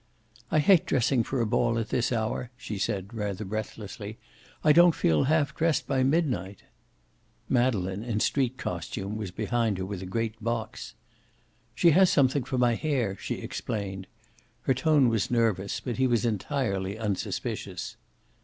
"I hate dressing for a ball at this hour," she said, rather breathlessly. "I don't feel half dressed by midnight." Madeleine, in street costume, was behind her with a great box. "She has something for my hair," she explained. Her tone was nervous, but he was entirely unsuspicious.